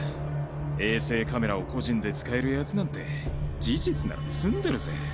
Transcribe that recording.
衛星カメラを個人で使える奴なんて事実なら詰んでるぜ。